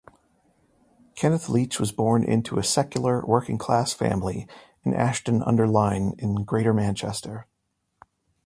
Kenneth Leech was born into a secular working-class family in Ashton-under-Lyne in greater Manchester.